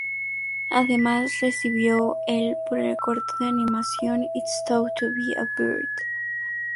Además, recibió el por el corto de animación "It's Tough to Be a Bird".